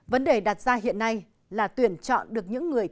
vấn đề đặt ra hiện nay là tuyển chọn được những người